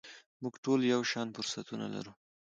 موږ ټول یو شان فرصتونه لرو .